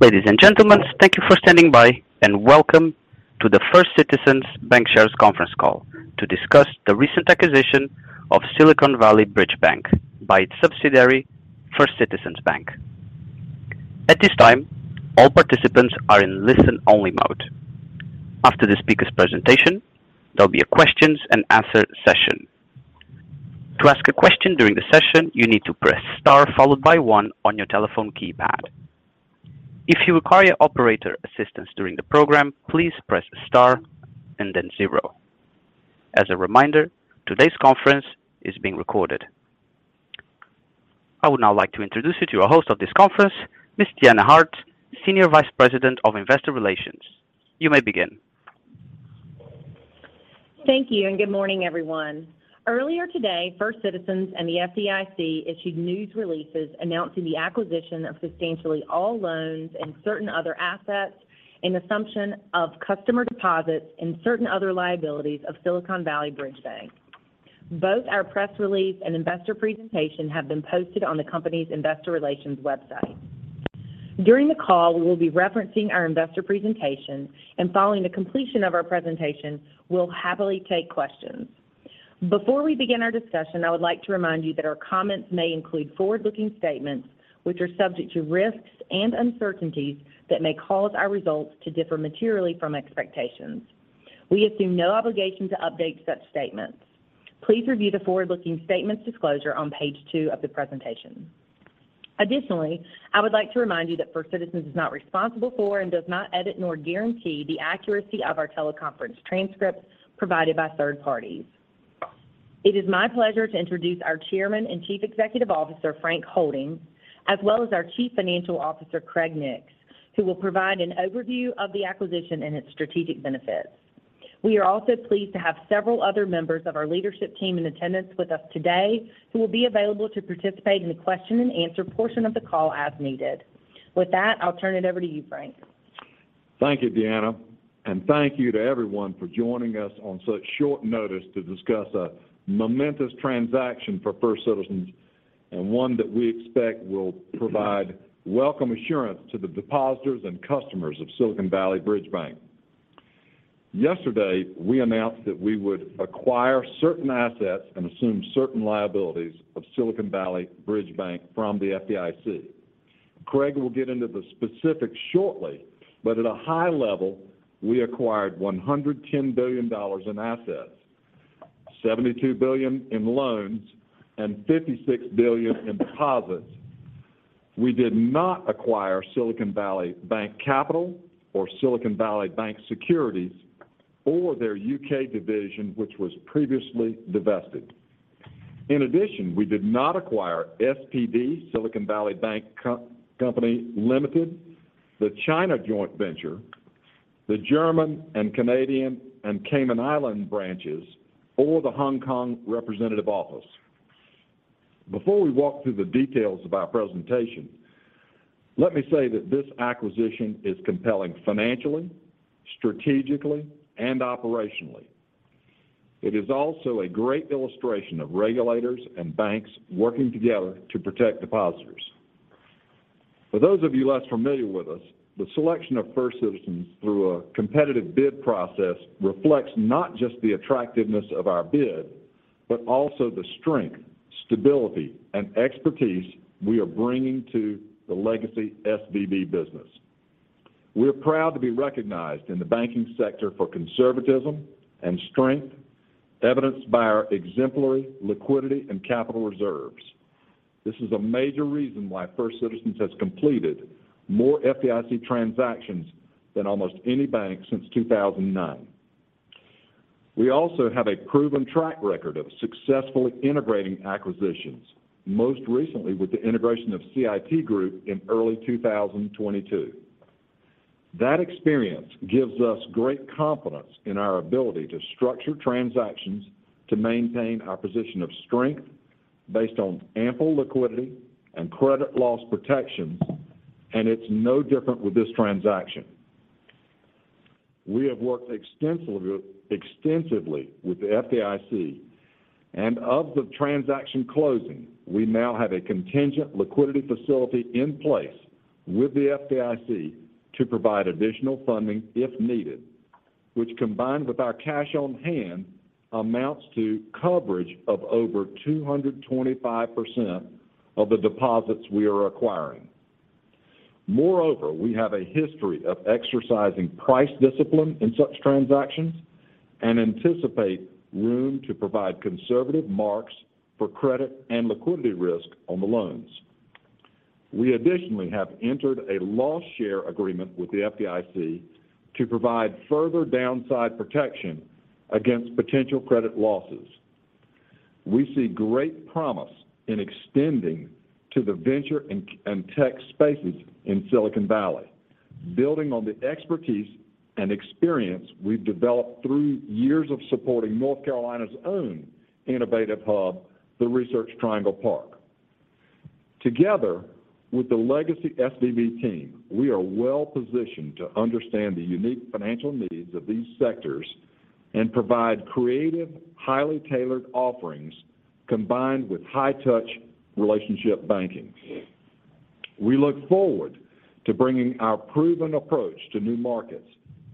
Ladies and gentlemen, thank you for standing by and welcome to the First Citizens BancShares conference call to discuss the recent acquisition of Silicon Valley Bridge Bank by its subsidiary, First Citizens Bank. At this time, all participants are in listen-only mode. After the speaker's presentation, there'll be a questions and answer session. To ask a question during the session, you need to press star followed by one on your telephone keypad. If you require operator assistance during the program, please press star and then zero. As a reminder, today's conference is being recorded. I would now like to introduce you to our host of this conference, Miss Deanna Hart, Senior Vice President of Investor Relations. You may begin. Thank you, good morning, everyone. Earlier today, First Citizens and the FDIC issued news releases announcing the acquisition of substantially all loans and certain other assets and assumption of customer deposits and certain other liabilities of Silicon Valley Bridge Bank. Both our press release and investor presentation have been posted on the company's investor relations website. During the call, we will be referencing our investor presentation, following the completion of our presentation, we'll happily take questions. Before we begin our discussion, I would like to remind you that our comments may include forward-looking statements which are subject to risks and uncertainties that may cause our results to differ materially from expectations. We assume no obligation to update such statements. Please review the forward-looking statements disclosure on page 2 of the presentation. Additionally, I would like to remind you that First Citizens is not responsible for and does not edit nor guarantee the accuracy of our teleconference transcripts provided by third parties. It is my pleasure to introduce our Chairman and Chief Executive Officer, Frank Holding, as well as our Chief Financial Officer, Craig Nix, who will provide an overview of the acquisition and its strategic benefits. We are also pleased to have several other members of our leadership team in attendance with us today who will be available to participate in the question and answer portion of the call as needed. With that, I'll turn it over to you, Frank. Thank you, Deanna, and thank you to everyone for joining us on such short notice to discuss a momentous transaction for First Citizens and one that we expect will provide welcome assurance to the depositors and customers of Silicon Valley Bridge Bank. Yesterday, we announced that we would acquire certain assets and assume certain liabilities of Silicon Valley Bridge Bank from the FDIC. At a high level, we acquired $110 billion in assets, $72 billion in loans, and $56 billion in deposits. We did not acquire Silicon Valley Bank capital or Silicon Valley Bank securities or their U.K. division, which was previously divested. In addition, we did not acquire, Silicon Valley Bank Co-Company Limited, the China joint venture, the German and Canadian and Cayman Islands branches, or the Hong Kong representative office. Before we walk through the details of our presentation, let me say that this acquisition is compelling financially, strategically, and operationally. It is also a great illustration of regulators and banks working together to protect depositors. For those of you less familiar with us, the selection of First Citizens through a competitive bid process reflects not just the attractiveness of our bid, but also the strength, stability, and expertise we are bringing to the legacy SVB business. We're proud to be recognized in the banking sector for conservatism and strength, evidenced by our exemplary liquidity and capital reserves. This is a major reason why First Citizens has completed more FDIC transactions than almost any bank since 2009. We also have a proven track record of successfully integrating acquisitions, most recently with the integration of CIT Group in early 2022. That experience gives us great confidence in our ability to structure transactions to maintain our position of strength based on ample liquidity and credit loss protections. It's no different with this transaction. We have worked extensively with the FDIC. Of the transaction closing, we now have a contingent liquidity facility in place with the FDIC to provide additional funding if needed, which combined with our cash on hand amounts to coverage of over 225% of the deposits we are acquiring. Moreover, we have a history of exercising price discipline in such transactions and anticipate room to provide conservative marks for credit and liquidity risk on the loans. We additionally have entered a loss-share agreement with the FDIC to provide further downside protection against potential credit losses. We see great promise in extending to the venture and tech spaces in Silicon Valley, building on the expertise and experience we've developed through years of supporting North Carolina's own innovative hub, the Research Triangle Park. Together with the legacy SVB team, we are well-positioned to understand the unique financial needs of these sectors and provide creative, highly tailored offerings combined with high touch relationship banking. We look forward to bringing our proven approach to new markets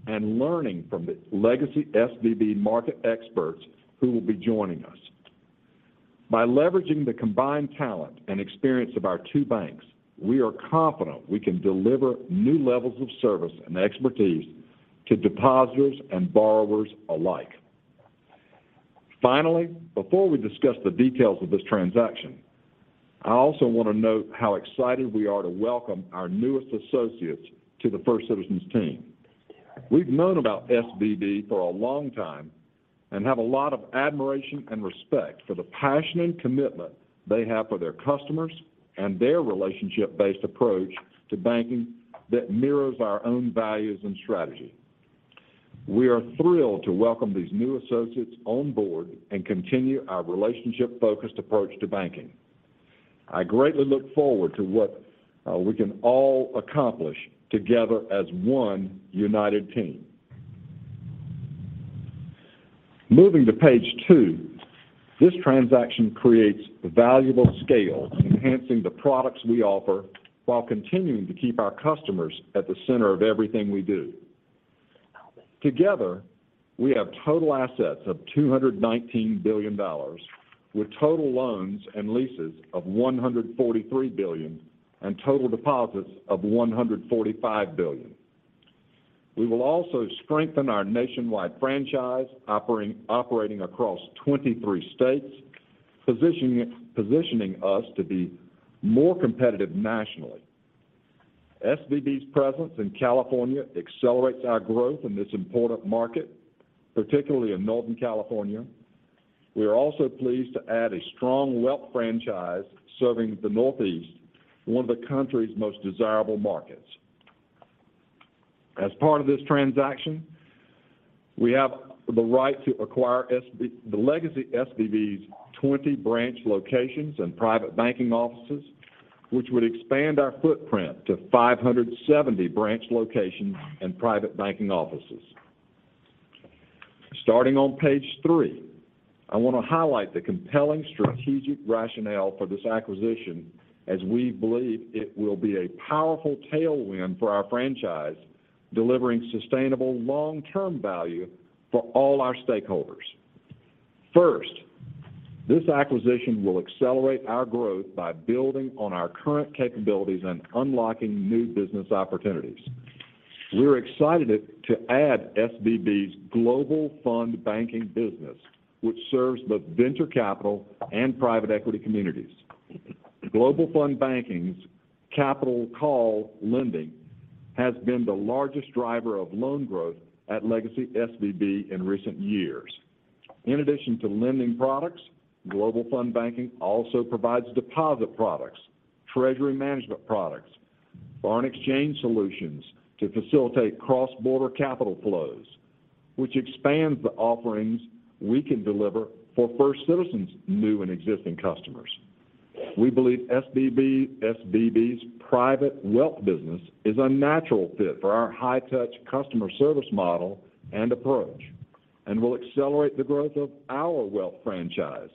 and learning from the legacy SVB market experts who will be joining us. By leveraging the combined talent and experience of our two banks, we are confident we can deliver new levels of service and expertise to depositors and borrowers alike. Finally, before we discuss the details of this transaction, I also want to note how excited we are to welcome our newest associates to the First Citizens team. We've known about SVB for a long time and have a lot of admiration and respect for the passion and commitment they have for their customers and their relationship-based approach to banking that mirrors our own values and strategy. We are thrilled to welcome these new associates on board and continue our relationship focused approach to banking. I greatly look forward to what we can all accomplish together as one united team. Moving to page two, this transaction creates valuable scale, enhancing the products we offer while continuing to keep our customers at the center of everything we do. Together, we have total assets of $219 billion, with total loans and leases of $143 billion and total deposits of $145 billion. We will also strengthen our nationwide franchise operating across 23 states, positioning us to be more competitive nationally. SVB's presence in California accelerates our growth in this important market, particularly in Northern California. We are also pleased to add a strong wealth franchise serving the Northeast, one of the country's most desirable markets. As part of this transaction, we have the right to acquire the legacy SVB's 20 branch locations and private banking offices, which would expand our footprint to 570 branch locations and private banking offices. Starting on page 3, I want to highlight the compelling strategic rationale for this acquisition as we believe it will be a powerful tailwind for our franchise, delivering sustainable long-term value for all our stakeholders. First, this acquisition will accelerate our growth by building on our current capabilities and unlocking new business opportunities. We're excited to add SVB's Global Fund Banking business, which serves the venture capital and private equity communities. Global Fund Banking's capital call lending has been the largest driver of loan growth at legacy SVB in recent years. In addition to lending products, Global Fund Banking also provides deposit products, treasury management products, foreign exchange solutions to facilitate cross-border capital flows, which expands the offerings we can deliver for First Citizens' new and existing customers. We believe SVB's private wealth business is a natural fit for our high-touch customer service model and approach, and will accelerate the growth of our wealth franchise,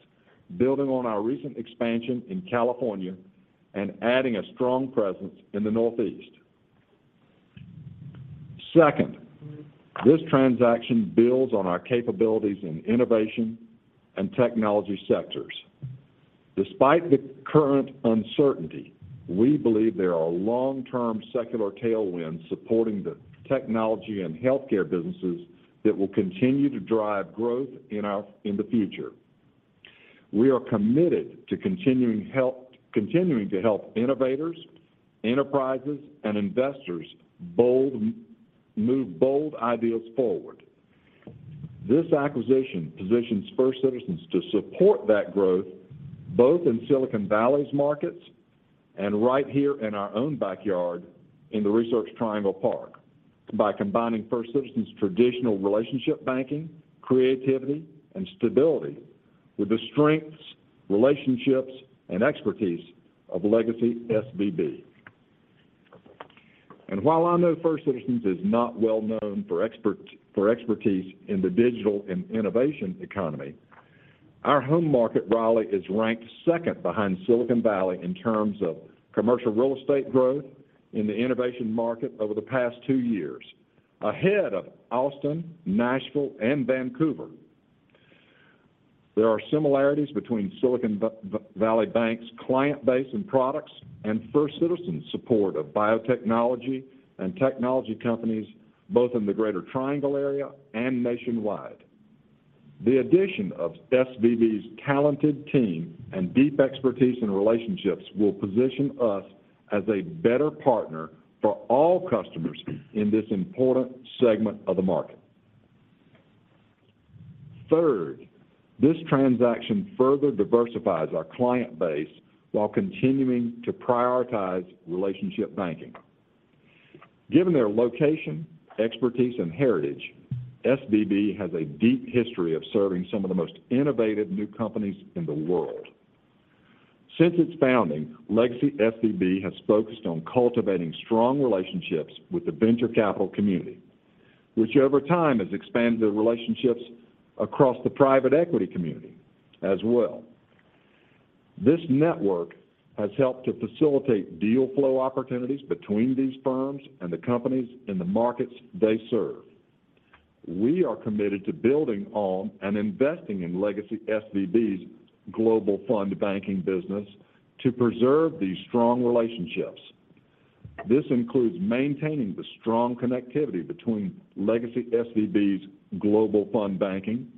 building on our recent expansion in California and adding a strong presence in the Northeast. Second, this transaction builds on our capabilities in innovation and technology sectors. Despite the current uncertainty, we believe there are long-term secular tailwinds supporting the technology and healthcare businesses that will continue to drive growth in the future. We are committed to continuing to help innovators, enterprises, and investors move bold ideas forward. This acquisition positions First Citizens to support that growth both in Silicon Valley's markets and right here in our own backyard in the Research Triangle Park by combining First Citizens' traditional relationship banking, creativity, and stability with the strengths, relationships, and expertise of legacy SVB. While I know First Citizens is not well known for expertise in the digital and innovation economy, our home market, Raleigh, is ranked second behind Silicon Valley in terms of commercial real estate growth in the innovation market over the past two years, ahead of Austin, Nashville, and Vancouver. There are similarities between Silicon Valley Bank's client base and products and First Citizens' support of biotechnology and technology companies both in the greater Triangle area and nationwide. The addition of SVB's talented team and deep expertise and relationships will position us as a better partner for all customers in this important segment of the market. Third, this transaction further diversifies our client base while continuing to prioritize relationship banking. Given their location, expertise, and heritage, SVB has a deep history of serving some of the most innovative new companies in the world. Since its founding, Legacy SVB has focused on cultivating strong relationships with the venture capital community, which over time has expanded the relationships across the private equity community as well. This network has helped to facilitate deal flow opportunities between these firms and the companies in the markets they serve. We are committed to building on and investing in Legacy SVB's Global Fund Banking business to preserve these strong relationships. This includes maintaining the strong connectivity between Legacy SVB's Global Fund Banking,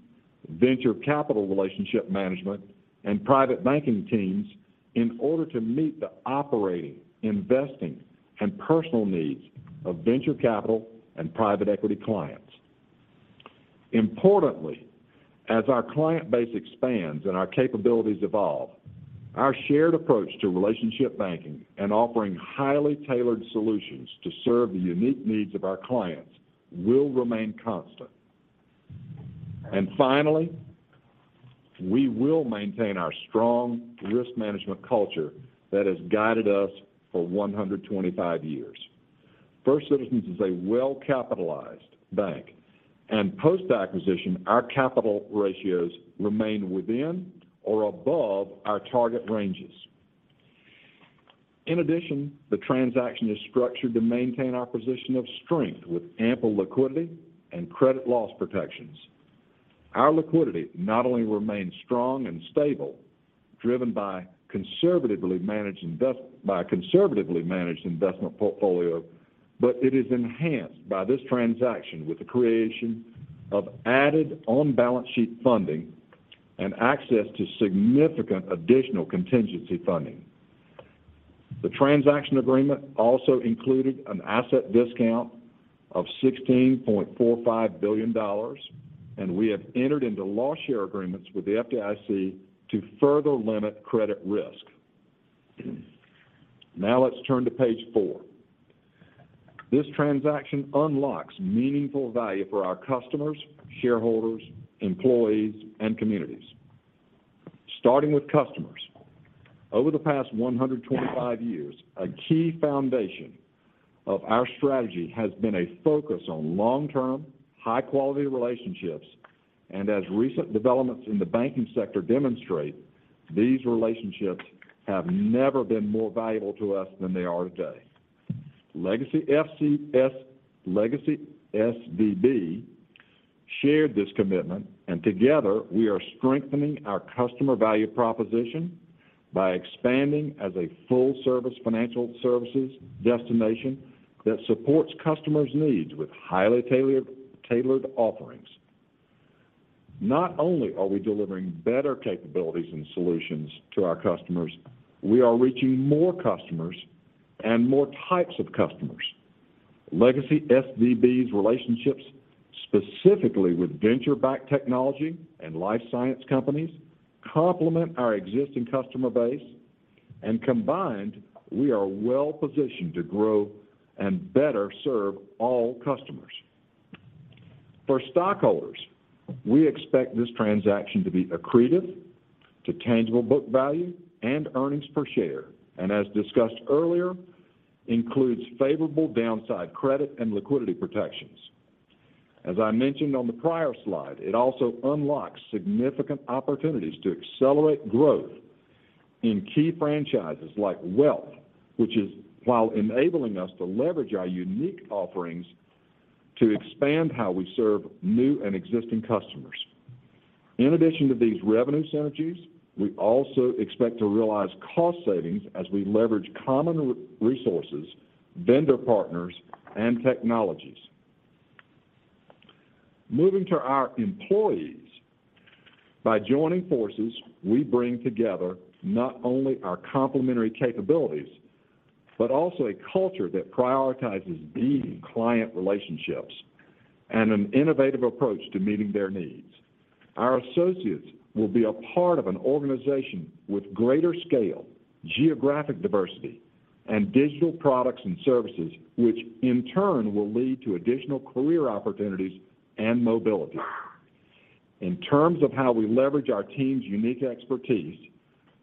venture capital relationship management, and private banking teams in order to meet the operating, investing, and personal needs of venture capital and private equity clients. Importantly, as our client base expands and our capabilities evolve, our shared approach to relationship banking and offering highly tailored solutions to serve the unique needs of our clients will remain constant. Finally, we will maintain our strong risk management culture that has guided us for 125 years. First Citizens is a well-capitalized bank, and post-acquisition, our capital ratios remain within or above our target ranges. In addition, the transaction is structured to maintain our position of strength with ample liquidity and credit loss protections. Our liquidity not only remains strong and stable, driven by a conservatively managed investment portfolio, but it is enhanced by this transaction with the creation of added on-balance sheet funding and access to significant additional contingency funding. The transaction agreement also included an asset discount of $16.45 billion, and we have entered into loss-share agreements with the FDIC to further limit credit risk. Let's turn to page 4. This transaction unlocks meaningful value for our customers, shareholders, employees, and communities. Starting with customers. Over the past 125 years, a key foundation of our strategy has been a focus on long-term, high-quality relationships. As recent developments in the banking sector demonstrate, these relationships have never been more valuable to us than they are today. Legacy SVB shared this commitment, and together, we are strengthening our customer value proposition by expanding as a full-service financial services destination that supports customers' needs with highly tailored offerings. Not only are we delivering better capabilities and solutions to our customers, we are reaching more customers and more types of customers. Legacy SVB's relationships, specifically with venture-backed technology and life science companies, complement our existing customer base, and combined, we are well-positioned to grow and better serve all customers. For stockholders, we expect this transaction to be accretive to tangible book value and earnings per share, and as discussed earlier, includes favorable downside credit and liquidity protections. As I mentioned on the prior slide, it also unlocks significant opportunities to accelerate growth in key franchises like Wealth, which is while enabling us to leverage our unique offerings to expand how we serve new and existing customers. In addition to these revenue synergies, we also expect to realize cost savings as we leverage common resources, vendor partners, and technologies. Moving to our employees. By joining forces, we bring together not only our complementary capabilities, but also a culture that prioritizes deep client relationships and an innovative approach to meeting their needs. Our associates will be a part of an organization with greater scale, geographic diversity, and digital products and services, which in turn will lead to additional career opportunities and mobility. In terms of how we leverage our team's unique expertise,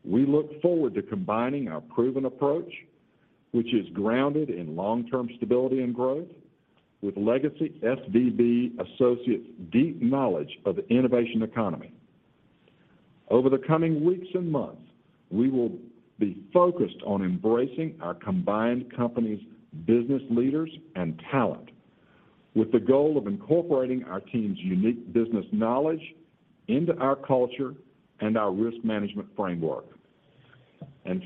we look forward to combining our proven approach, which is grounded in long-term stability and growth, with Legacy SVB associates' deep knowledge of the innovation economy. Over the coming weeks and months, we will be focused on embracing our combined company's business leaders and talent with the goal of incorporating our team's unique business knowledge into our culture and our risk management framework.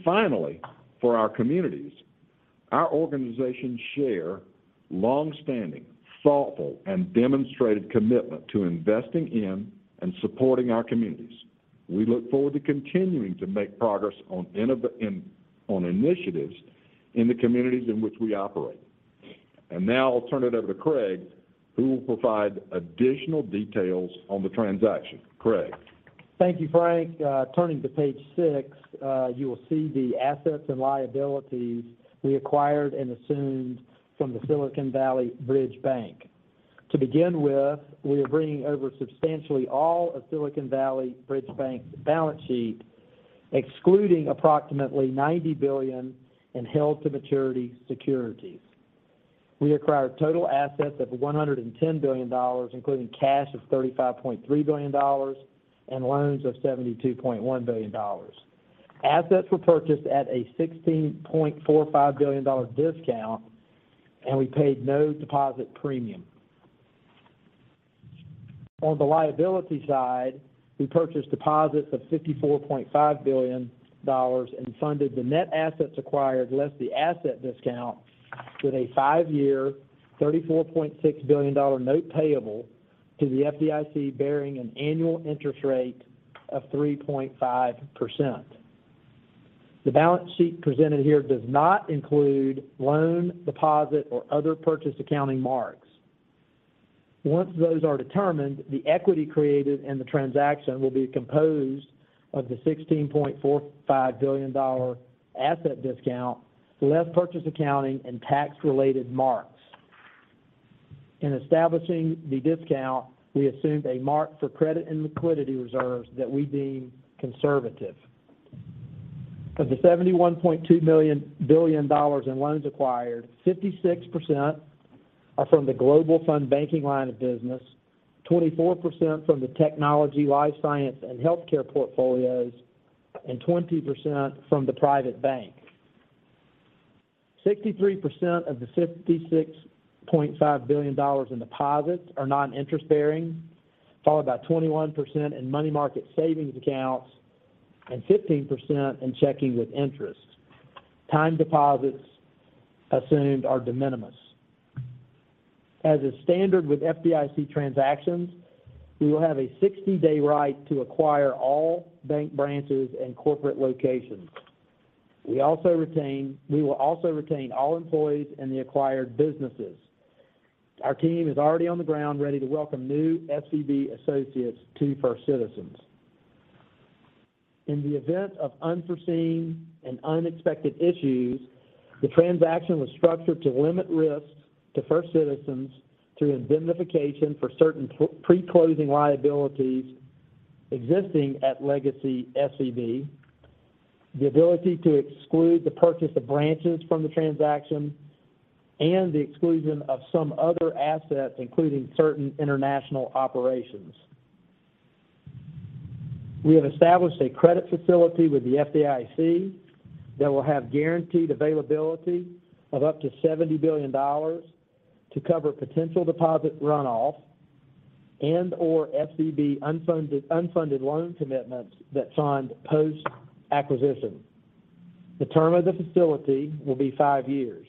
Finally, for our communities, our organizations share long-standing, thoughtful, and demonstrated commitment to investing in and supporting our communities. We look forward to continuing to make progress on initiatives in the communities in which we operate. Now I'll turn it over to Craig, who will provide additional details on the transaction. Craig? Thank you, Frank. Turning to page 6, you will see the assets and liabilities we acquired and assumed from the Silicon Valley Bridge Bank. We are bringing over substantially all of Silicon Valley Bridge Bank's balance sheet, excluding approximately $90 billion in held to maturity securities. We acquired total assets of $110 billion, including cash of $35.3 billion and loans of $72.1 billion. Assets were purchased at a $16.45 billion discount, and we paid no deposit premium. On the liability side, we purchased deposits of $54.5 billion and funded the net assets acquired less the asset discount with a 5-year $34.6 billion note payable to the FDIC bearing an annual interest rate of 3.5%. The balance sheet presented here does not include loan, deposit, or other purchase accounting marks. Once those are determined, the equity created in the transaction will be composed of the $16.45 billion asset discount, less purchase accounting and tax-related marks. In establishing the discount, we assumed a mark for credit and liquidity reserves that we deem conservative. Of the $71.2 billion in loans acquired, 56% are from the Global Fund Banking line of business, 24% from the technology, life science, and healthcare portfolios, and 20% from the private bank. 63% of the $56.5 billion in deposits are non-interest bearing, followed by 21% in money market savings accounts and 15% in checking with interest. Time deposits assumed are de minimis. As is standard with FDIC transactions, we will have a 60-day right to acquire all bank branches and corporate locations. We will also retain all employees in the acquired businesses. Our team is already on the ground ready to welcome new SVB associates to First Citizens. In the event of unforeseen and unexpected issues, the transaction was structured to limit risks to First Citizens through indemnification for certain pre-closing liabilities existing at legacy SVB, the ability to exclude the purchase of branches from the transaction, and the exclusion of some other assets, including certain international operations. We have established a credit facility with the FDIC that will have guaranteed availability of up to $70 billion to cover potential deposit runoff and or SVB unfunded loan commitments that fund post-acquisition. The term of the facility will be five years.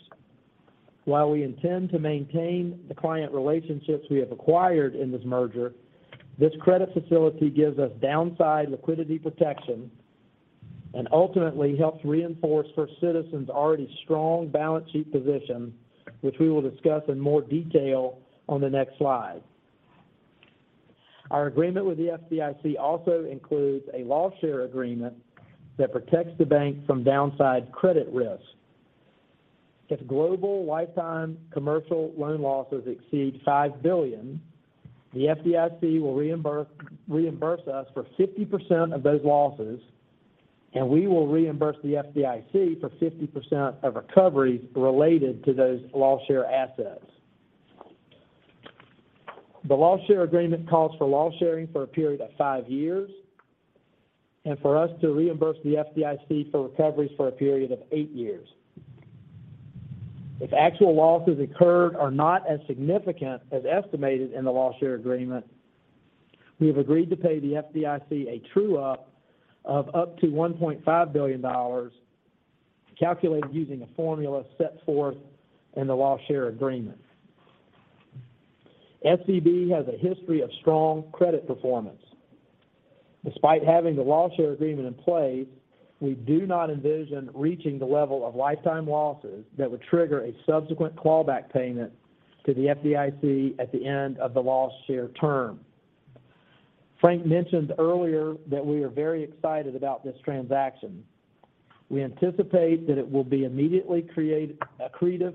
While we intend to maintain the client relationships we have acquired in this merger, this credit facility gives us downside liquidity protection and ultimately helps reinforce First Citizens' already strong balance sheet position, which we will discuss in more detail on the next slide. Our agreement with the FDIC also includes a loss-share agreement that protects the bank from downside credit risk. If global lifetime commercial loan losses exceed $5 billion, the FDIC will reimburse us for 50% of those losses, and we will reimburse the FDIC for 50% of recoveries related to those loss-share assets. The loss-share agreement calls for loss sharing for a period of 5 years and for us to reimburse the FDIC for recoveries for a period of 8 years. If actual losses incurred are not as significant as estimated in the loss-share agreement, we have agreed to pay the FDIC a true up of up to $1.5 billion calculated using a formula set forth in the loss-share agreement. SVB has a history of strong credit performance. Despite having the loss-share agreement in place, we do not envision reaching the level of lifetime losses that would trigger a subsequent callback payment to the FDIC at the end of the loss-share term. Frank mentioned earlier that we are very excited about this transaction. We anticipate that it will be immediately accretive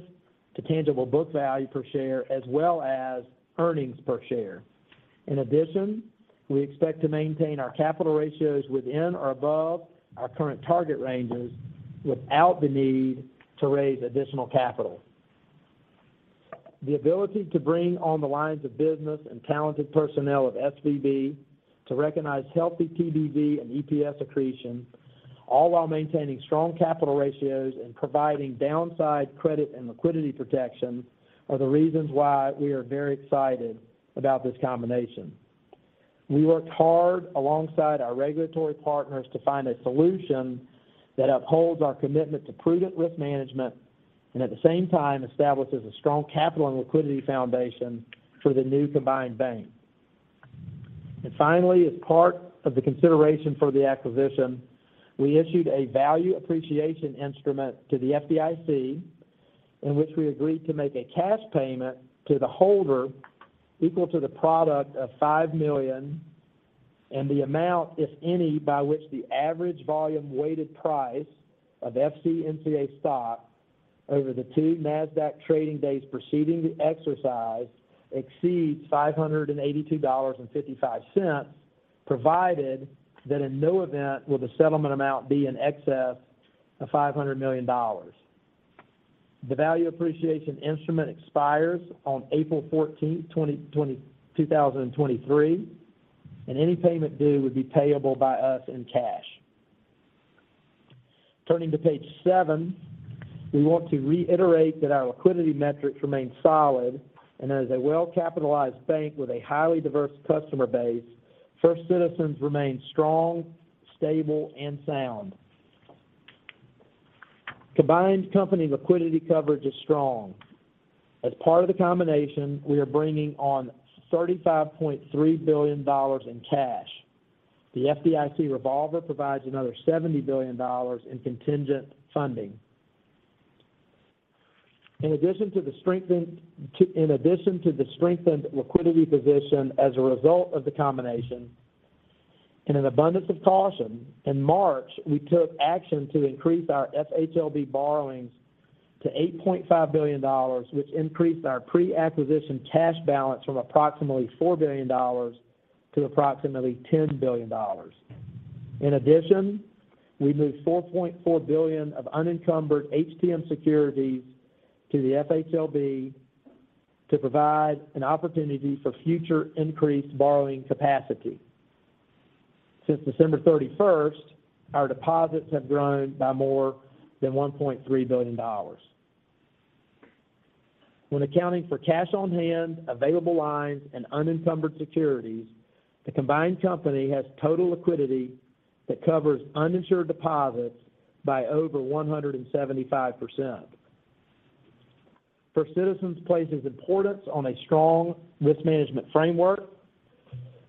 to tangible book value per share as well as earnings per share. We expect to maintain our capital ratios within or above our current target ranges without the need to raise additional capital. The ability to bring on the lines of business and talented personnel of SVB to recognize healthy TBV and EPS accretion, all while maintaining strong capital ratios and providing downside credit and liquidity protection are the reasons why we are very excited about this combination. We worked hard alongside our regulatory partners to find a solution that upholds our commitment to prudent risk management and at the same time establishes a strong capital and liquidity foundation for the new combined bank. Finally, as part of the consideration for the acquisition, we issued a value appreciation instrument to the FDIC in which we agreed to make a cash payment to the holder equal to the product of $5 million and the amount, if any, by which the average volume weighted price of FCNCA stock over the 2 Nasdaq trading days preceding the exercise exceeds $582.55, provided that in no event will the settlement amount be in excess of $500 million. The value appreciation instrument expires on April 14, 2023, and any payment due would be payable by us in cash. Turning to page 7. We want to reiterate that our liquidity metrics remain solid and as a well-capitalized bank with a highly diverse customer base, First Citizens remains strong, stable and sound. Combined company liquidity coverage is strong. As part of the combination, we are bringing on $35.3 billion in cash. The FDIC revolver provides another $70 billion in contingent funding. In addition to the strengthened liquidity position as a result of the combination, in an abundance of caution, in March, we took action to increase our FHLB borrowings to $8.5 billion, which increased our pre-acquisition cash balance from approximately $4 billion to approximately $10 billion. In addition, we moved $4.4 billion of unencumbered HTM securities to the FHLB to provide an opportunity for future increased borrowing capacity. Since December 31st, our deposits have grown by more than $1.3 billion. When accounting for cash on hand, available lines and unencumbered securities, the combined company has total liquidity that covers uninsured deposits by over 175%. First Citizens places importance on a strong risk management framework.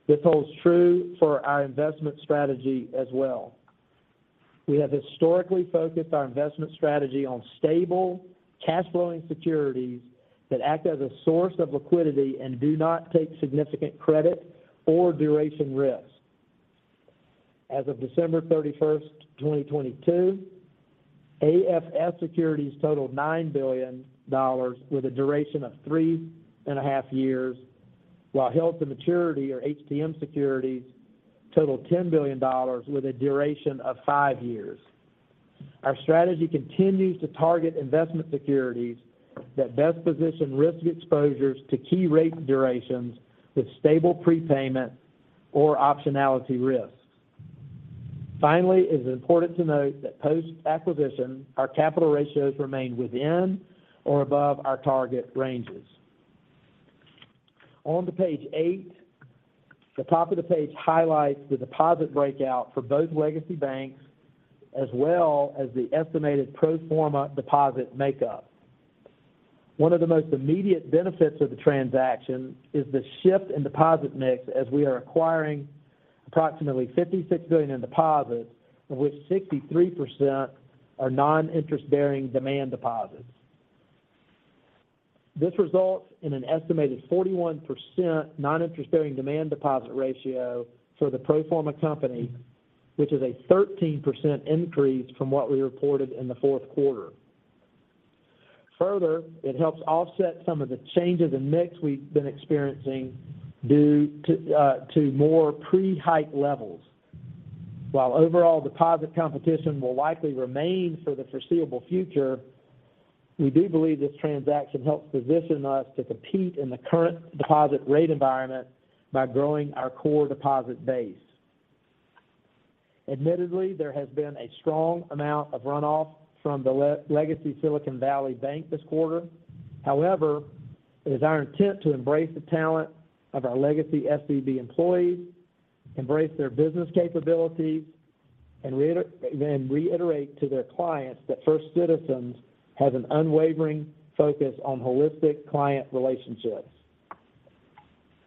This holds true for our investment strategy as well. We have historically focused our investment strategy on stable cash flowing securities that act as a source of liquidity and do not take significant credit or duration risk. As of December 31st, 2022, AFS securities totaled $9 billion with a duration of 3.5 years, while held to maturity or HTM securities totaled $10 billion with a duration of 5 years. Our strategy continues to target investment securities that best position risk exposures to key rate durations with stable prepayment or optionality risks. Finally, it is important to note that post-acquisition, our capital ratios remain within or above our target ranges. On to page 8. The top of the page highlights the deposit breakout for both legacy banks as well as the estimated pro forma deposit makeup. One of the most immediate benefits of the transaction is the shift in deposit mix as we are acquiring approximately $56 billion in deposits, of which 63% are non-interest bearing demand deposits. This results in an estimated 41% non-interest bearing demand deposit ratio for the pro forma company, which is a 13% increase from what we reported in the Q4. Further, it helps offset some of the changes in mix we've been experiencing due to more pre-hike levels. While overall deposit competition will likely remain for the foreseeable future, we do believe this transaction helps position us to compete in the current deposit rate environment by growing our core deposit base. Admittedly, there has been a strong amount of runoff from the legacy Silicon Valley Bank this quarter. It is our intent to embrace the talent of our legacy SVB employees, embrace their business capabilities and reiterate to their clients that First Citizens has an unwavering focus on holistic client relationships.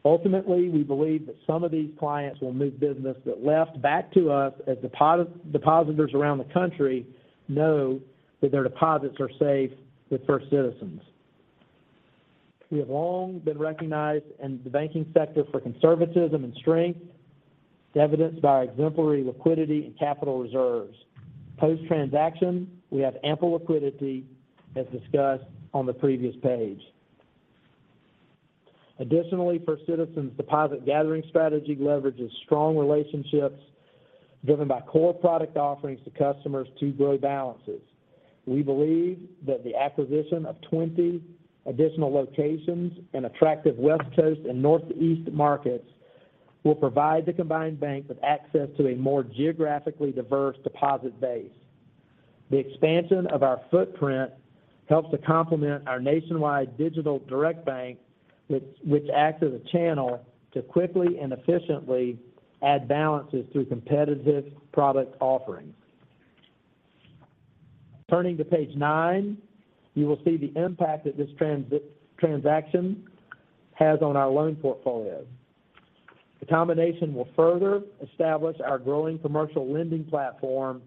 We believe that some of these clients will move business that left back to us as depositors around the country know that their deposits are safe with First Citizens. We have long been recognized in the banking sector for conservatism and strength, evidenced by our exemplary liquidity and capital reserves. Post-transaction, we have ample liquidity as discussed on the previous page. First Citizens deposit gathering strategy leverages strong relationships driven by core product offerings to customers to grow balances. We believe that the acquisition of 20 additional locations in attractive West Coast and Northeast markets will provide the combined bank with access to a more geographically diverse deposit base. The expansion of our footprint helps to complement our nationwide digital direct bank which acts as a channel to quickly and efficiently add balances through competitive product offerings. Turning to page 9, you will see the impact that this transaction has on our loan portfolio. The combination will further establish our growing commercial lending platform.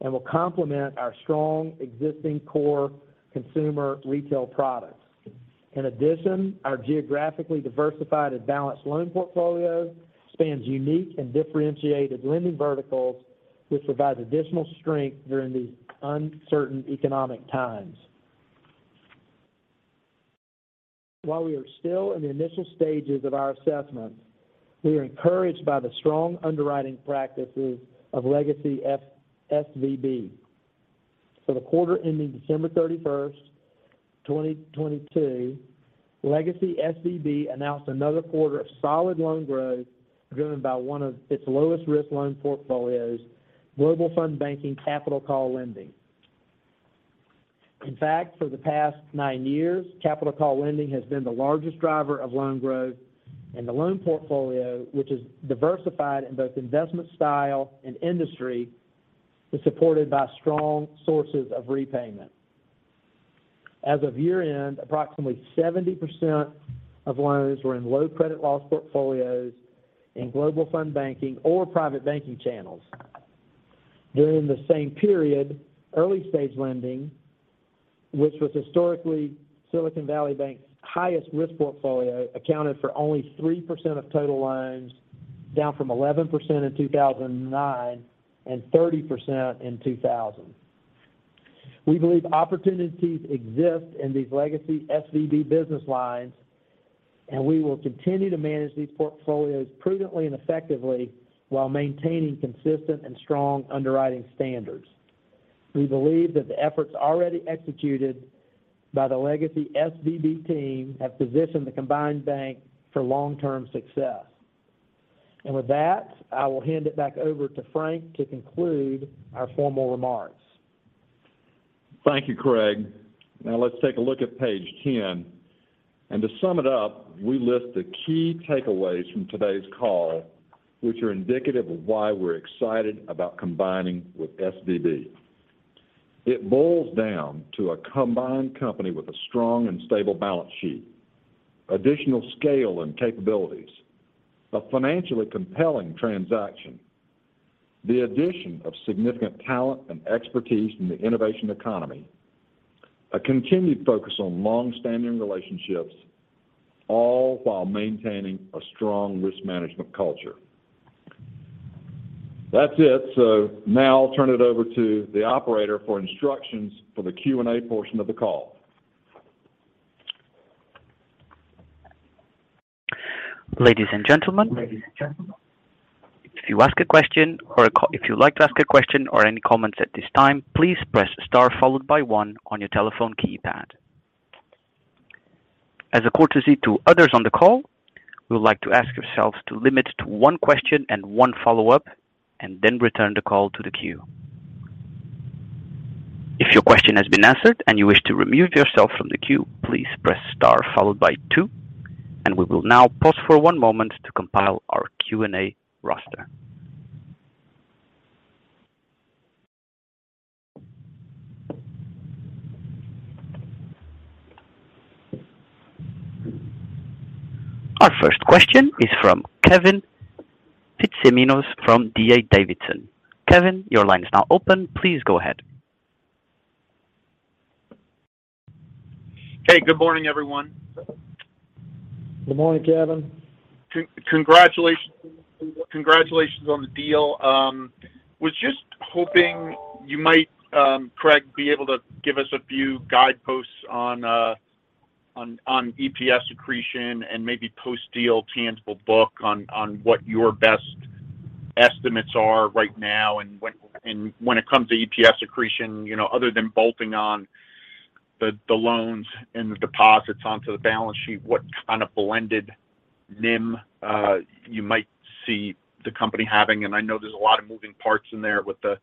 Will complement our strong existing core consumer retail products. In addition, our geographically diversified and balanced loan portfolio spans unique and differentiated lending verticals, which provides additional strength during these uncertain economic times. While we are still in the initial stages of our assessment, we are encouraged by the strong underwriting practices of Legacy SVB. For the quarter ending December 31st, 2022, Legacy SVB announced another quarter of solid loan growth driven by one of its lowest risk loan portfolios, Global Fund Banking capital call lending. In fact, for the past 9 years, capital call lending has been the largest driver of loan growth, and the loan portfolio, which is diversified in both investment style and industry, is supported by strong sources of repayment. As of year-end, approximately 70% of loans were in low credit loss portfolios in Global Fund Banking or private banking channels. During the same period, early stage lending, which was historically Silicon Valley Bank's highest risk portfolio, accounted for only 3% of total loans, down from 11% in 2009 and 30% in 2000. We believe opportunities exist in these legacy SVB business lines, and we will continue to manage these portfolios prudently and effectively while maintaining consistent and strong underwriting standards. We believe that the efforts already executed by the legacy SVB team have positioned the combined bank for long-term success. With that, I will hand it back over to Frank to conclude our formal remarks. Thank you, Craig. Now let's take a look at page 10. To sum it up, we list the key takeaways from today's call, which are indicative of why we're excited about combining with SVB. It boils down to a combined company with a strong and stable balance sheet, additional scale and capabilities, a financially compelling transaction, the addition of significant talent and expertise in the innovation economy, a continued focus on long-standing relationships, all while maintaining a strong risk management culture. That's it. Now I'll turn it over to the operator for instructions for the Q&A portion of the call. Ladies and gentlemen. Ladies and gentlemen. If you'd like to ask a question or any comments at this time, please press star followed by 1 on your telephone keypad. As a courtesy to others on the call, we would like to ask yourselves to limit to 1 question and 1 follow-up, and then return the call to the queue. If your question has been answered and you wish to remove yourself from the queue, please press star followed by 2, and we will now pause for 1 moment to compile our Q&A roster. Our first question is from Kevin Fitzsimmons from D.A. Davidson. Kevin, your line is now open. Please go ahead. Hey, good morning, everyone. Good morning, Kevin. Congratulations, congratulations on the deal. Was just hoping you might, Craig, be able to give us a few guideposts on EPS accretion and maybe post-deal tangible book on what your best estimates are right now and when it comes to EPS accretion, other than bolting on the loans and the deposits onto the balance sheet, what kind of blended NIM you might see the company having. I know there's a lot of moving parts in there with the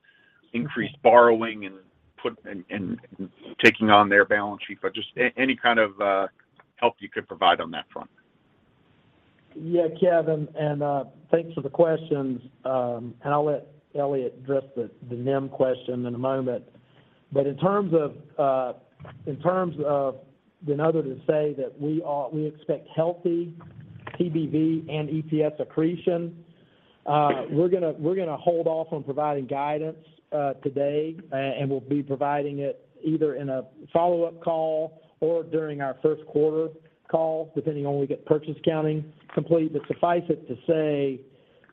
increased borrowing and taking on their balance sheet, but just any kind of help you could provide on that front., Kevin, and thanks for the questions. I'll let Elliot address the NIM question in a moment. In terms of we expect healthy TBV and EPS accretion, we're gonna hold off on providing guidance today, and we'll be providing it either in a follow-up call or during our Q1 call, depending on when we get purchase accounting complete. Suffice it to say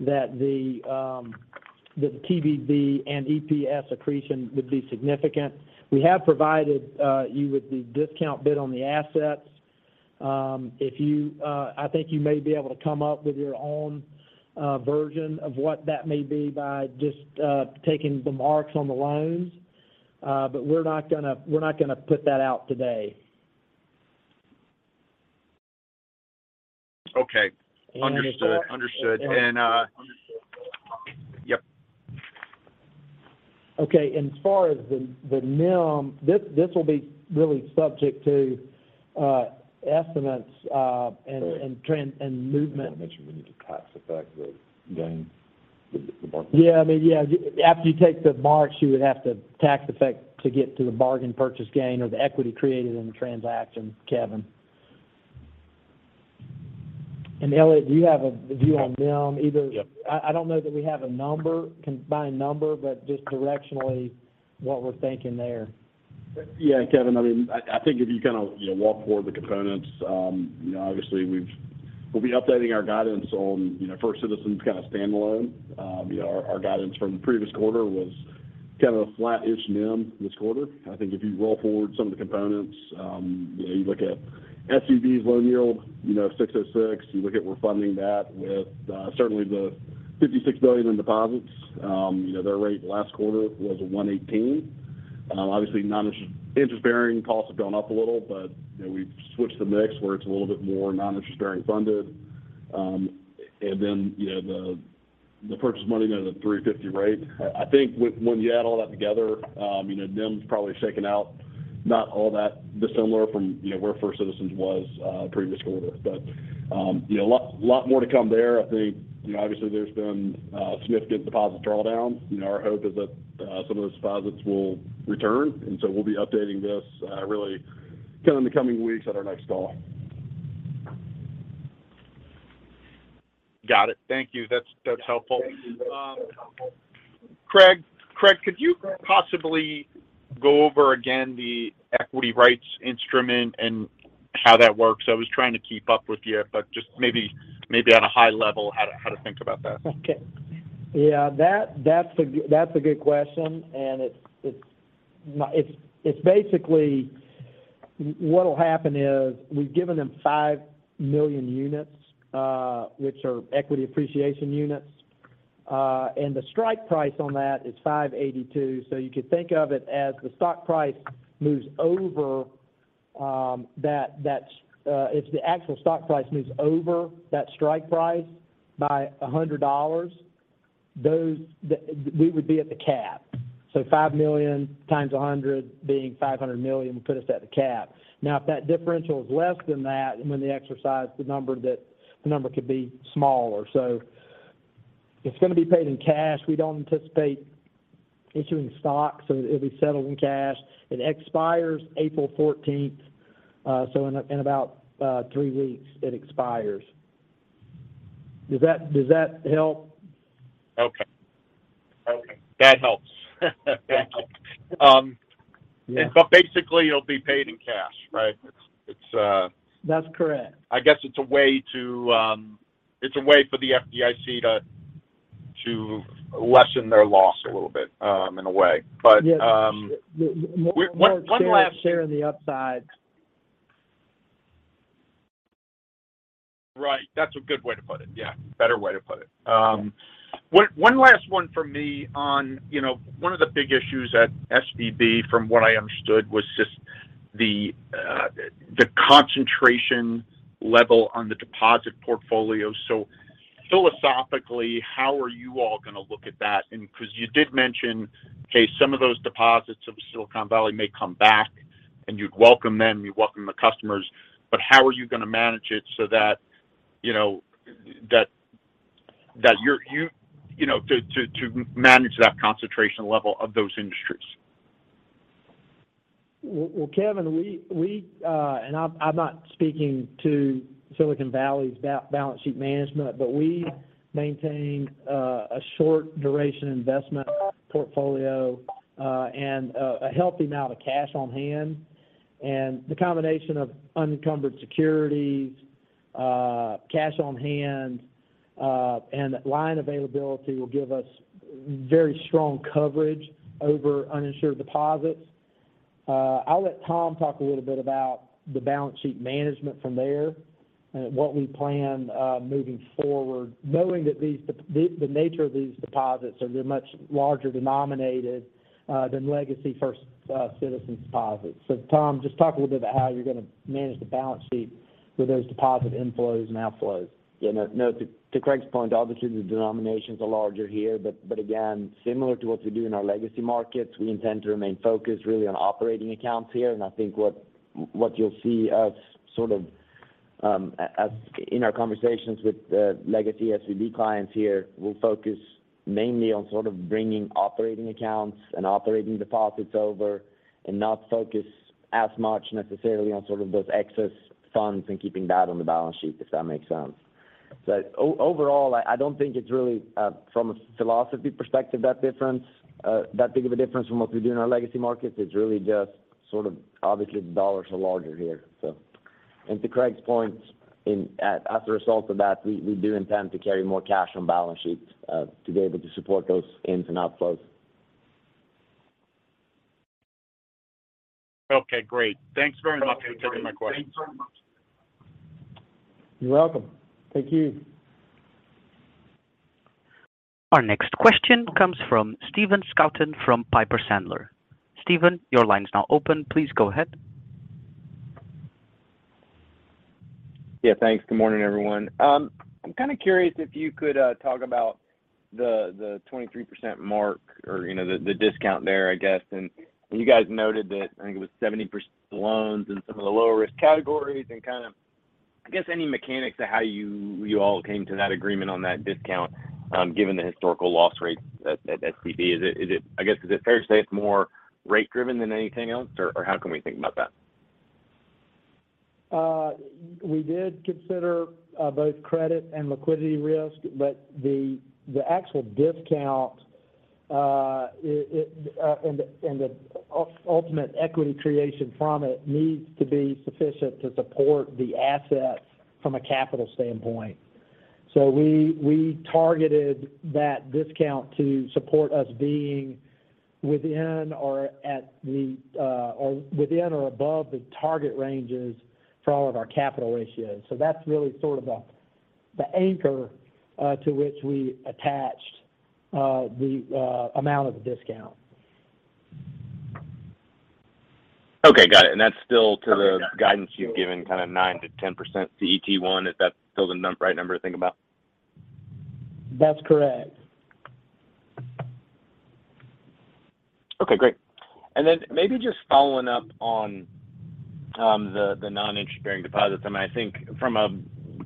that the TBV and EPS accretion would be significant. We have provided you with the discount bid on the assets. I think you may be able to come up with your own version of what that may be by just taking the marks on the loans, we're not gonna put that out today. Okay. Understood. Understood. Yep. Okay. As far as the NIM, this will be really subject to estimates and trend and movement. I want to mention we need to tax effect the gain, the mark. Yeah. I mean, yeah, after you take the marks, you would have to tax effect to get to the bargain purchase gain or the equity created in the transaction, Kevin. Elliot, do you have a view on NIM either? Yeah. I don't know that we have a number, combined number, but just directionally what we're thinking there. Kevin. I mean, I think if you kind of, walk forward the components, obviously we'll be updating our guidance on, First Citizens kind of standalone. Our guidance from the previous quarter was kind of a flattish NIM this quarter. I think if you roll forward some of the components, you look at SVB's loan yield, 6.06%. You look at refunding that with, certainly the $56 billion in deposits. Their rate last quarter was a 1.18%. Obviously non-interest-bearing costs have gone up a little, but we've switched the mix where it's a little bit more non-interest bearing funded. The purchase money note at 3.50% rate. I think when you add all that together, NIM's probably shaken out not all that dissimilar from, where First Citizens was previous quarter. You know, a lot more to come there. I think, obviously there's been significant deposit drawdowns. Our hope is that some of those deposits will return. We'll be updating this really kind of in the coming weeks at our next call. Got it. Thank you. That's helpful. Craig, could you possibly go over again the equity rights instrument and how that works? I was trying to keep up with you, but just maybe on a high level how to think about that. Okay. Yeah, that's a good question. It's basically what'll happen is we've given them 5 million units, which are equity appreciation units. The strike price on that is $582. You could think of it as the stock price moves over, if the actual stock price moves over that strike price by $100, we would be at the cap. 5 million times 100 being $500 million would put us at the cap. If that differential is less than that, when they exercise the number, the number could be smaller. It's gonna be paid in cash. We don't anticipate issuing stock, it'll be settled in cash. It expires April 14th, in about 3 weeks it expires. Does that help? Okay. Okay. That helps. That helps. Yeah. Basically it'll be paid in cash, right? It's. That's correct. I guess it's a way to, it's a way for the FDIC to lessen their loss a little bit, in a way. Yes. One last thing. Sharing the upside. Right. That's a good way to put it. Yeah, better way to put it. one last one for me on, one of the big issues at SVB from what I understood was just the concentration level on the deposit portfolio. Philosophically, how are you all gonna look at that? Because you did mention, okay, some of those deposits of Silicon Valley may come back, and you'd welcome them, you welcome the customers, how are you gonna manage it so that you're, to manage that concentration level of those industries? Well, Kevin, I'm not speaking to Silicon Valley's balance sheet management, we maintain a short duration investment portfolio and a healthy amount of cash on hand. The combination of unencumbered securities, cash on hand, and line availability will give us very strong coverage over uninsured deposits. I'll let Tom talk a little bit about the balance sheet management from there and what we plan moving forward, knowing that the nature of these deposits are they're much larger denominated than legacy First Citizens deposits. Tom, just talk a little bit about how you're gonna manage the balance sheet with those deposit inflows and outflows. Yeah. No. To Craig's point, obviously the denominations are larger here, but again, similar to what we do in our legacy markets, we intend to remain focused really on operating accounts here. I think what you'll see us sort of, as in our conversations with, legacy SVB clients here, we'll focus mainly on sort of bringing operating accounts and operating deposits over and not focus as much necessarily on sort of those excess funds and keeping that on the balance sheet, if that makes sense. Overall, I don't think it's really, from a philosophy perspective, that different, that big of a difference from what we do in our legacy markets. It's really just sort of obviously the dollars are larger here. To Craig's point, as a result of that, we do intend to carry more cash on balance sheets, to be able to support those ins and outflows. Okay, great. Thanks very much for taking my questions. You're welcome. Thank you. Our next question comes from Stephen Scouten from Piper Sandler. Stephen, your line's now open. Please go ahead. Yeah, thanks. Good morning, everyone. I'm kinda curious if you could talk about the 23% mark or, the discount there, I guess. You guys noted that, I think it was 70% of loans in some of the lower risk categories, and kind of, I guess, any mechanics of how you all came to that agreement on that discount, given the historical loss rates at SVB. Is it, I guess, is it fair to say it's more rate driven than anything else? Or how can we think about that? We did consider both credit and liquidity risk, but the actual discount and the ultimate equity creation from it needs to be sufficient to support the assets from a capital standpoint. We targeted that discount to support us being within or at the or within or above the target ranges for all of our capital ratios. That's really sort of the anchor to which we attached the amount of the discount. Okay. Got it. That's still to the guidance you've given, kind of 9%-10% CET1. Is that still the right number to think about? That's correct. Okay, great. Maybe just following up on the non-interest-bearing deposits. I mean, I think from a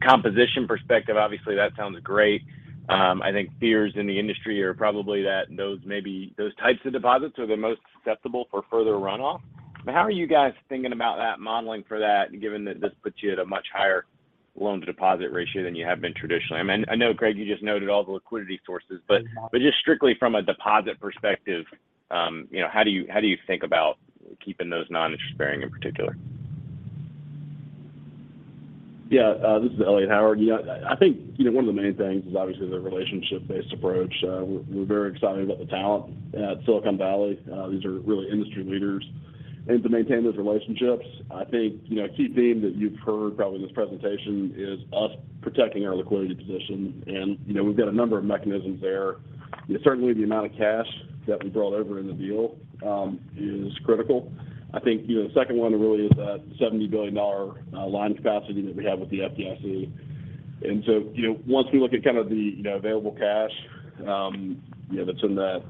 composition perspective, obviously that sounds great. I think fears in the industry are probably that those types of deposits are the most susceptible for further runoff. How are you guys thinking about that modeling for that, given that this puts you at a much higher loan-to-deposit ratio than you have been traditionally? I mean, I know, Craig, you just noted all the liquidity sources, but just strictly from a deposit perspective, how do you, how do you think about keeping those non-interest-bearing in particular? This is Elliot Howard. You know, I think, one of the main things is obviously the relationship-based approach. We're very excited about the talent at Silicon Valley. These are really industry leaders. To maintain those relationships, I think, you know, a key theme that you've heard probably in this presentation is us protecting our liquidity position. You know, we've got a number of mechanisms there. Certainly the amount of cash that we brought over in the deal is critical. I think, you know, the second one really is that $70 billion line capacity that we have with the FDIC. Once we look at kind of the available cash, that's in that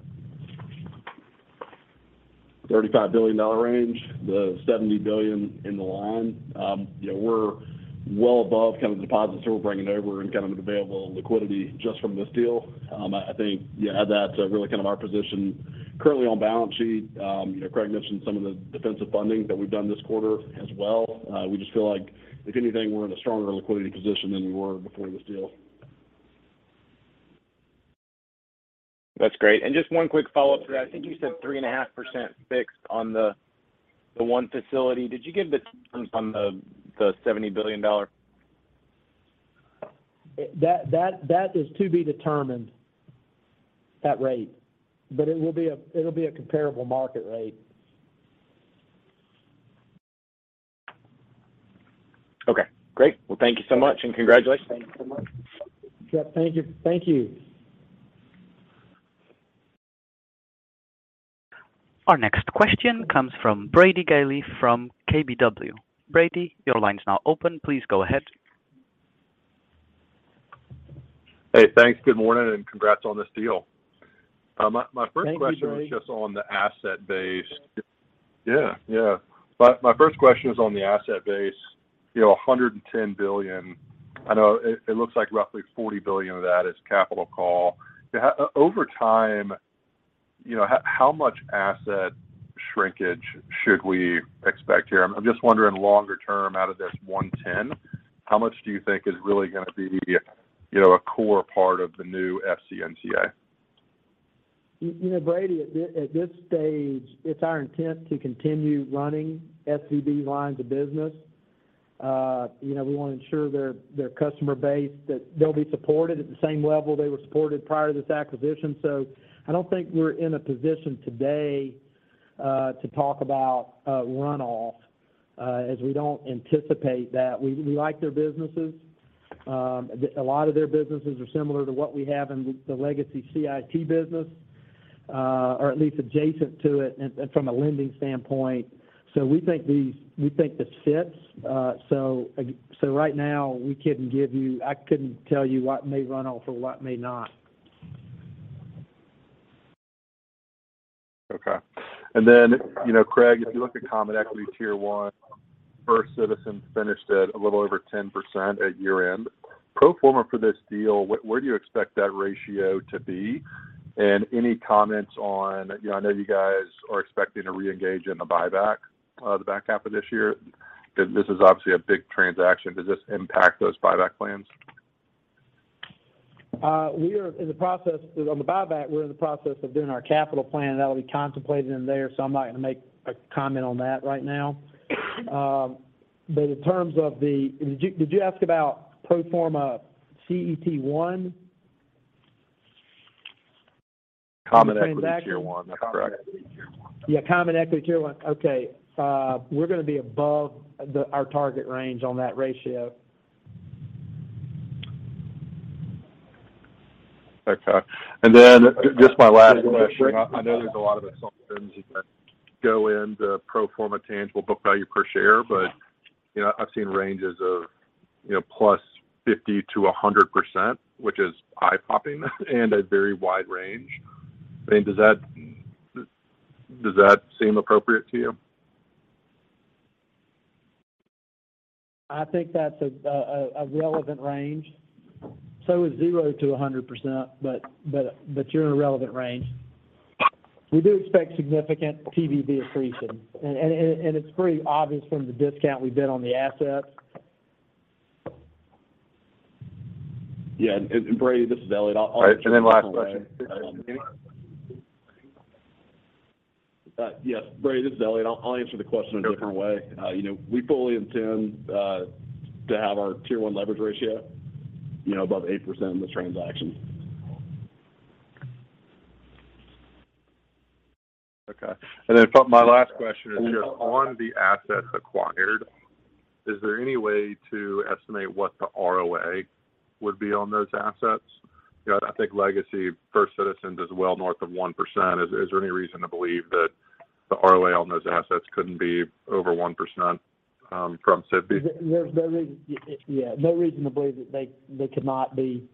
$35 billion range, the $70 billion in the line, we're well above kind of the deposits that we're bringing over and kind of available liquidity just from this deal. I think, yeah, that's really kind of our position currently on balance sheet. Craig mentioned some of the defensive funding that we've done this quarter as well. We just feel like if anything, we're in a stronger liquidity position than we were before this deal. That's great. Just one quick follow-up to that. I think you said 3.5% fixed on the one facility. Did you give the terms on the $70 billion? That is to be determined, that rate. It will be a, it'll be a comparable market rate. Okay, great. Well, thank you so much, and congratulations. Thank you so much. Yep. Thank you. Thank you. Our next question comes from Brady Gailey from KBW. Brady, your line is now open. Please go ahead. Hey, thanks. Good morning. Congrats on this deal. My first question. Thank you, Brady. Was just on the asset base. Yeah. Yeah. My first question is on the asset base, $110 billion. I know it looks like roughly $40 billion of that is capital call. You know, over time, you know, how much asset shrinkage should we expect here? I'm just wondering longer term out of this 110, how much do you think is really gonna be, a core part of the new FCNCA? You know, Brady, at this stage, it's our intent to continue running SVB lines of business. You know, we wanna ensure their customer base, that they'll be supported at the same level they were supported prior to this acquisition. I don't think we're in a position today to talk about runoff as we don't anticipate that. We like their businesses. A lot of their businesses are similar to what we have in the legacy CIT business or at least adjacent to it and from a lending standpoint. We think this fits. Right now I couldn't tell you what may run off or what may not. Okay. You know, Craig, if you look at common equity Tier 1, First Citizens finished at a little over 10% at year-end. Pro forma for this deal, where do you expect that ratio to be? Any comments on, I know you guys are expecting to reengage in a buyback, the back half of this year. This is obviously a big transaction. Does this impact those buyback plans? On the buyback, we're in the process of doing our capital plan. That'll be contemplated in there, so I'm not gonna make a comment on that right now. Did you ask about pro forma CET1? Common Equity Tier 1. That's correct. Yeah, common equity Tier 1. Okay. We're gonna be above our target range on that ratio. Okay. Just my last question. I know there's a lot of assumptions that go into pro forma tangible book value per share, but I've seen ranges of +50%-100%, which is eye-popping and a very wide range. I mean, does that seem appropriate to you? I think that's a relevant range. Is 0% to 100%, but you're in a relevant range. We do expect significant TBV accretion. It's pretty obvious from the discount we bid on the assets. Yeah. Brady, this is Elliot. I'll answer the question. All right. Last question. Yes. Brady, this is Elliot. I'll answer the question a different way. You know, we fully intend to have our Tier 1 leverage ratio, above 8% in this transaction. Okay. My last question is just on the assets acquired, is there any way to estimate what the ROA would be on those assets? I think Legacy First Citizens is well north of 1%. Is there any reason to believe that the ROA on those assets couldn't be over 1% from SVB? There Yeah, no reason to believe that they could not be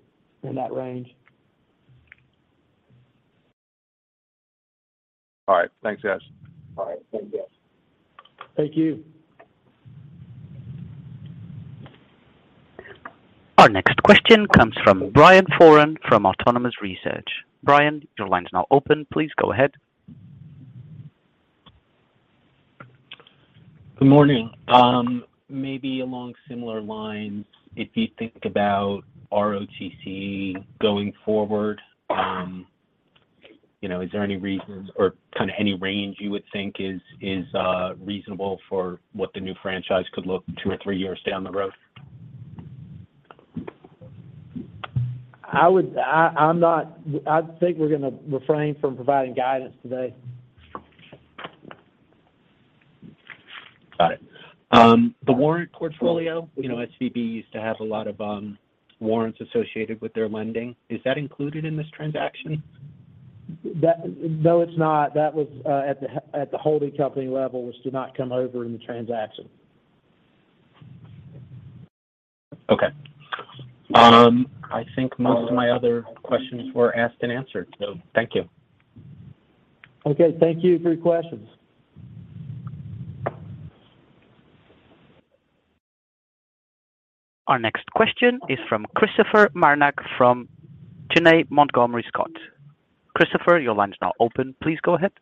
in that range. All right. Thanks, guys. Thank you. Our next question comes from Brian Foran from Autonomous Research. Brian, your line is now open. Please go ahead. Good morning. Maybe along similar lines, if you think about ROTCE going forward, is there any reasons or kind of any range you would think is reasonable for what the new franchise could look two or three years down the road? I think we're gonna refrain from providing guidance today. Got it. The warrant portfolio, SVB used to have a lot of warrants associated with their lending. Is that included in this transaction? That... No, it's not. That was, at the holding company level, which do not come over in the transaction. Okay. I think most of my other questions were asked and answered. Thank you. Okay. Thank you for your questions. Our next question is from Christopher Marinac from Janney Montgomery Scott. Christopher, your line is now open. Please go ahead.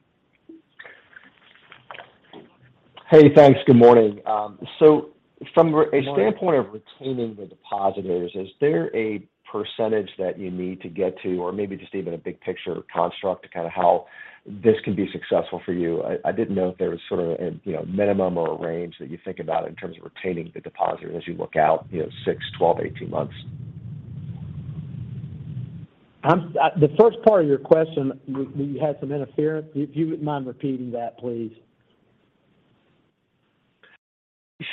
Hey, thanks. Good morning. Good morning. A standpoint of retaining the depositors, is there a percentage that you need to get to or maybe just even a big picture construct to kind of how this can be successful for you? I didn't know if there was sort of a, minimum or a range that you think about in terms of retaining the depositors as you look out, 6, 12, 18 months. I'm, the first part of your question, we had some interference. Do you mind repeating that, please?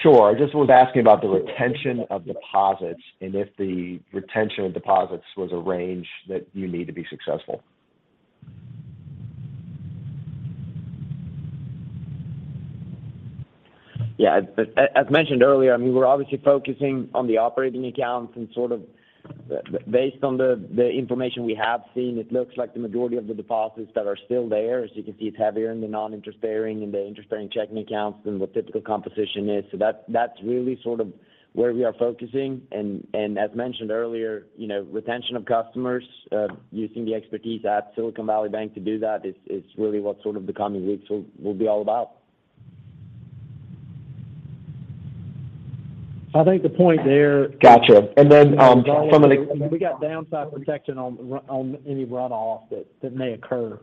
Sure. I just was asking about the retention of deposits and if the retention of deposits was a range that you need to be successful. Yeah. As mentioned earlier, I mean, we're obviously focusing on the operating accounts and sort of based on the information we have seen, it looks like the majority of the deposits that are still there. As you can see, it's heavier in the non-interest bearing and the interest-bearing checking accounts than what typical composition is. That's really sort of where we are focusing. As mentioned earlier, retention of customers, using the expertise at Silicon Valley Bank to do that is really what sort of the coming weeks will be all about. I think the point there. Gotcha. Then, some of the... We got downside protection on any runoff that may occur.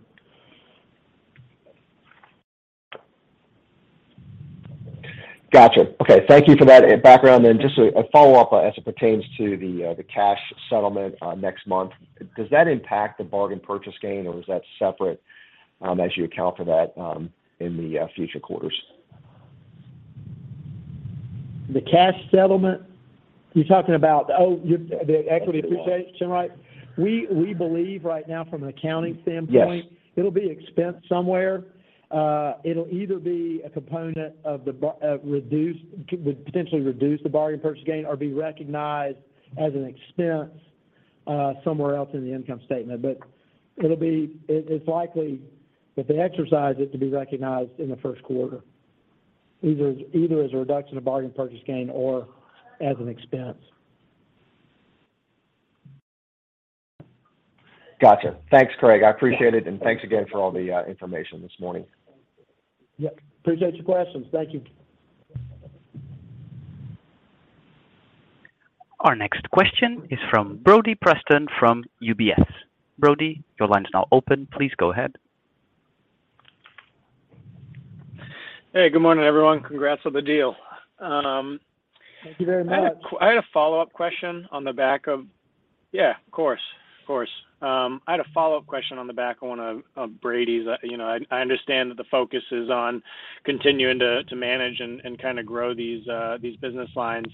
Gotcha. Okay. Thank you for that background. Just a follow-up as it pertains to the cash settlement next month. Does that impact the bargain purchase gain or is that separate as you account for that in the future quarters? The cash settlement? You're talking about... Oh, the equity appreciation? Is that right? We believe right now from an accounting standpoint. Yes It'll be expensed somewhere. It'll either be potentially reduce the bargain purchase gain or be recognized as an expense, somewhere else in the income statement. It's likely if they exercise it to be recognized in the Q1, either as a reduction of bargain purchase gain or as an expense. Gotcha. Thanks, Craig. I appreciate it, and thanks again for all the information this morning. Yeah. Appreciate your questions. Thank you. Our next question is from Brody Preston from UBS. Brody, your line is now open. Please go ahead. Hey. Good morning, everyone. Congrats on the deal. Thank you very much. I had a follow-up question on the back of. Yeah, of course. Of course. I had a follow-up question on the back of one of Brady's. I understand that the focus is on continuing to manage and kinda grow these business lines.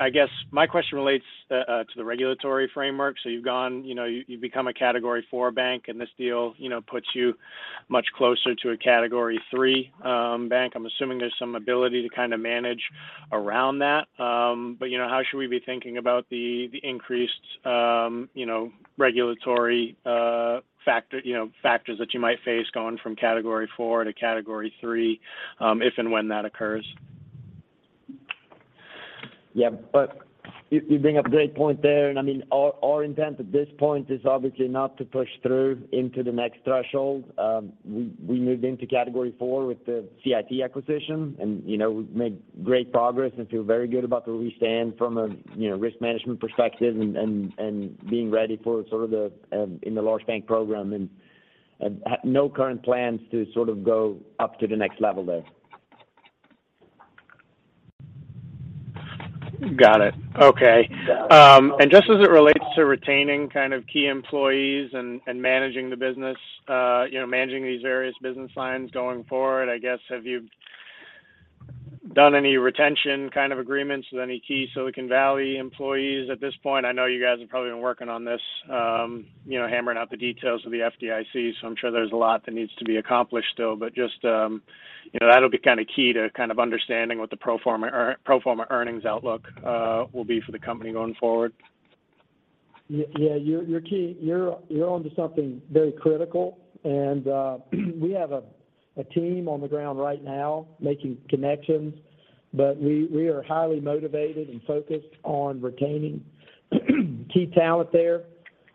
I guess my question relates to the regulatory framework. You know, you've become a Category IV bank, and this deal, puts you much closer to a Category III bank. I'm assuming there's some ability to kinda manage around that. You know, how should we be thinking about the increased, regulatory factors that you might face going from Category IV to Category III, if and when that occurs? You bring up a great point there. I mean, our intent at this point is obviously not to push through into the next threshold. We moved into Category IV with the CIT acquisition and, we've made great progress and feel very good about where we stand from a, you know, risk management perspective and being ready for sort of the in the large bank program and no current plans to sort of go up to the next level there. Got it. Okay. Just as it relates to retaining kind of key employees and managing the business, managing these various business lines going forward, I guess, have you done any retention kind of agreements with any key Silicon Valley employees at this point? I know you guys have probably been working on this, hammering out the details of the FDIC, so I'm sure there's a lot that needs to be accomplished still. Just, you know, that'll be kind of key to kind of understanding what the pro forma earnings outlook will be for the company going forward. Yeah, you're key. You're onto something very critical and we have a team on the ground right now making connections, but we are highly motivated and focused on retaining key talent there.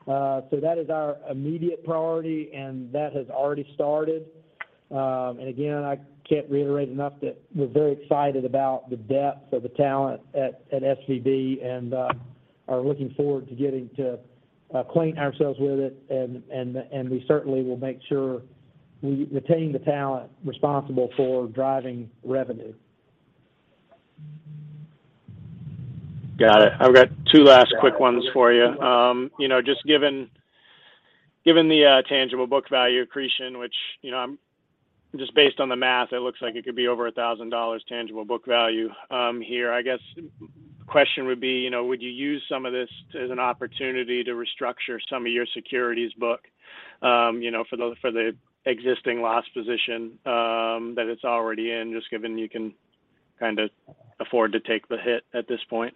That is our immediate priority, and that has already started. I can't reiterate enough that we're very excited about the depth of the talent at SVB and are looking forward to getting to acquaint ourselves with it. We certainly will make sure we retain the talent responsible for driving revenue. Got it. I've got two last quick ones for you. You know, just given the tangible book value accretion, which, you know, just based on the math, it looks like it could be over $1,000 tangible book value here. I guess question would be, would you use some of this as an opportunity to restructure some of your securities book, for the existing loss position that it's already in, just given you can kind of afford to take the hit at this point?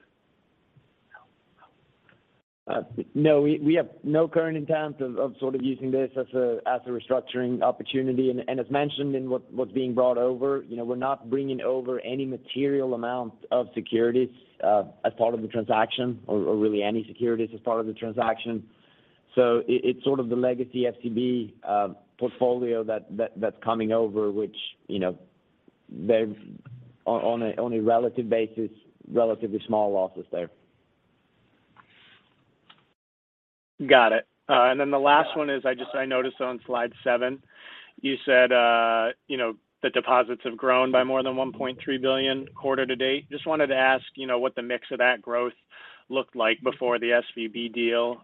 No. We have no current intent of sort of using this as a restructuring opportunity. As mentioned in what's being brought over, we're not bringing over any material amount of securities as part of the transaction or really any securities as part of the transaction. It's sort of the legacy FCB portfolio that's coming over, which, they've on a relative basis, relatively small losses there. Got it. Then the last one is, I noticed on slide seven, you said, the deposits have grown by more than $1.3 billion quarter to date. Just wanted to ask, what the mix of that growth looked like before the SVB deal.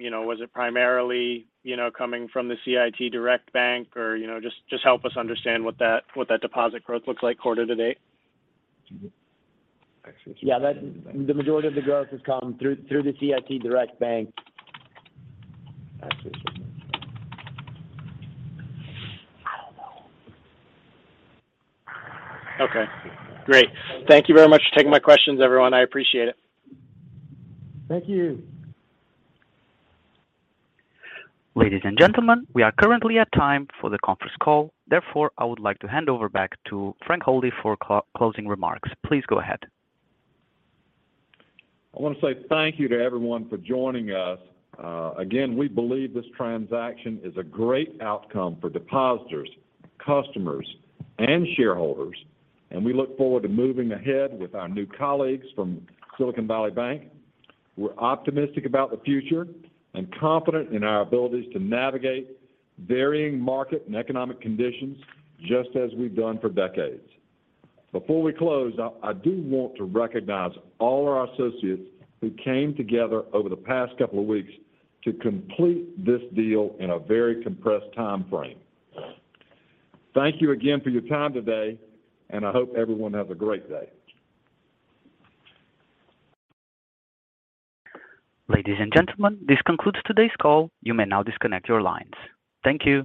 You know, was it primarily, coming from the CIT Direct Bank or, just help us understand what that deposit growth looks like quarter to date. Yeah. The majority of the growth has come through the CIT Direct Bank. Okay, great. Thank you very much for taking my questions, everyone. I appreciate it. Thank you. Ladies and gentlemen, we are currently at time for the conference call. I would like to hand over back to Frank Holding for closing remarks. Please go ahead. I want to say thank you to everyone for joining us. Again, we believe this transaction is a great outcome for depositors, customers, and shareholders, and we look forward to moving ahead with our new colleagues from Silicon Valley Bank. We're optimistic about the future and confident in our abilities to navigate varying market and economic conditions, just as we've done for decades. Before we close, I do want to recognize all our associates who came together over the past couple of weeks to complete this deal in a very compressed timeframe. Thank you again for your time today, and I hope everyone has a great day. Ladies and gentlemen, this concludes today's call. You may now disconnect your lines. Thank you.